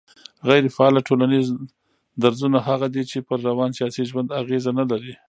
غيري فعاله ټولنيز درځونه هغه دي چي پر روان سياسي ژوند اغېز نه لري